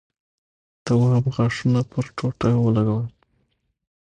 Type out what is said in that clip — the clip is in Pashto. تواب غاښونه پر ټوټه ولگول.